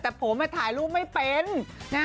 แต่ผมถ่ายรูปไม่เป็น